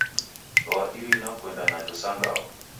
Dwa Irina kuenda najo sa ngao.